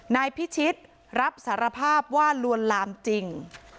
นายพิชิตรับสารภาพว่าลวนลามจริง